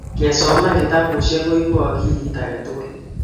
kesoman kitabushe koibu akilit age tugul